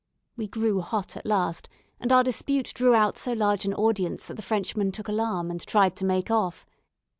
We grew hot at last; and our dispute drew out so large an audience that the Frenchman took alarm, and tried to make off.